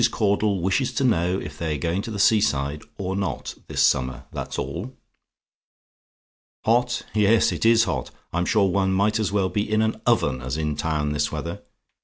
CAUDLE "WISHES TO KNOW IF THEY'RE GOING TO THE SEA SIDE, OR NOT, THIS SUMMER THAT'S ALL" "Hot? Yes, it IS hot. I'm sure one might as well be in an oven as in town this weather.